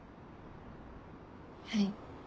はい。